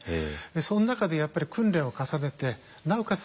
その中でやっぱり訓練を重ねてなおかつ